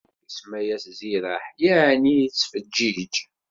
Isemma-yas Ziraḥ, yeɛni yettfeǧǧiǧ.